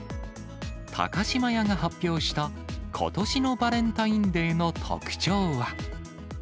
高島屋が発表したことしのバレンタインデーの特徴は。